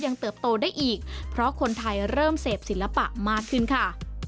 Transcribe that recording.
เติบโตได้อีกเพราะคนไทยเริ่มเสพศิลปะมากขึ้นค่ะ